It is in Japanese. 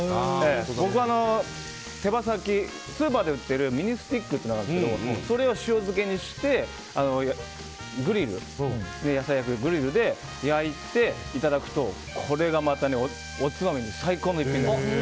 僕はスーパーで売っている手羽先のミニスティックがあるんですけどそれを塩漬けにしてグリルで焼いていただくとこれがまたおつまみに最高の一品なんです。